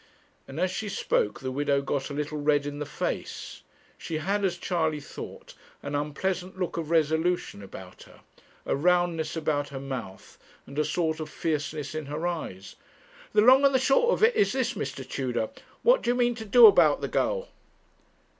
And as she spoke the widow got a little red in the face: she had, as Charley thought, an unpleasant look of resolution about her a roundness about her mouth, and a sort of fierceness in her eyes. 'The long and the short of it is this, Mr. Tudor, what do you mean to do about the girl?'